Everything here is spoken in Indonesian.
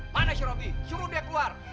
mana si robi suruh dia keluar